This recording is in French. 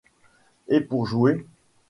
Et pour jouer !